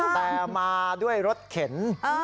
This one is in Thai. แต่มาด้วยรถเข็น